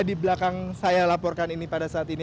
di belakang saya laporkan ini pada saat ini